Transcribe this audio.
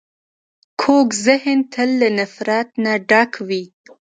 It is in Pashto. کوږ ذهن تل له نفرت نه ډک وي